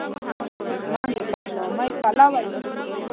دښمن د بد نامۍ پلوی وي